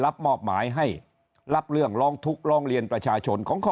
รับมอบหมายให้รับเรื่องร้องทุกข์ร้องเรียนประชาชนของข้อ